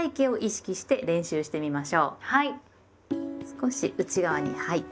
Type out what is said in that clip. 少し内側にはい。